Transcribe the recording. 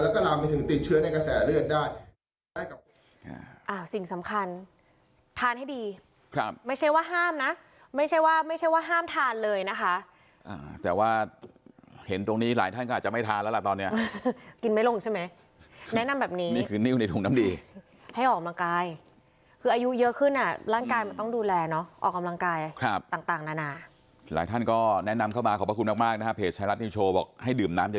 สำคัญทานให้ดีไม่ใช่ว่าห้ามนะไม่ใช่ว่าห้ามทานเลยนะคะแต่ว่าเห็นตรงนี้หลายท่านก็อาจจะไม่ทานแล้วล่ะตอนนี้กินไม่ลงใช่ไหมแนะนำแบบนี้นี่คือนิ้วในถุงน้ำดีให้ออกกำลังกายคืออายุเยอะขึ้นอ่ะร่างกายมันต้องดูแลเนาะออกกำลังกายต่างนานาหลายท่านก็แนะนำเข้ามาขอบคุณมากนะฮะเพจชายรัฐนี่โชว์บอกให้